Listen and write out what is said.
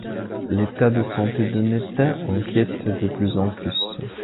L'état de santé de Neta, inquiète de plus en plus.